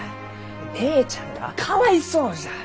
姉ちゃんがかわいそうじゃ！